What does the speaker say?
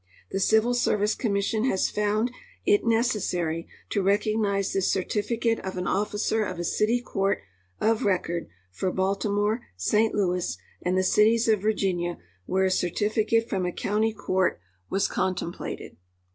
The Civil Service Commission has found it necessary to recognize the certificate of an officer of a city court of record for Baltimore, St. Louis, and the cities of Virginia where a certificate from a county court was contemplated.